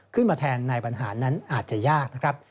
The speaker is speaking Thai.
ขึ้นมาแทนในปัญหานั้นอาจจะยากนะครับ